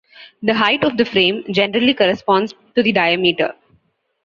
The height of the frame generally corresponds to the diameter.